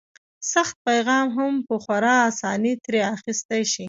سخت پیغام هم په خورا اسانۍ ترې اخیستی شي.